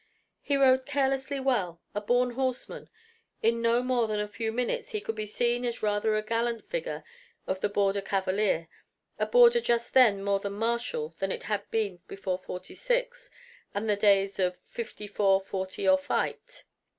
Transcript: He rode carelessly well, a born horseman. In no more than a few minutes he could be seen as rather a gallant figure of the border cavalier a border just then more martial than it had been before '46 and the days of "Fifty Four Forty or Fight."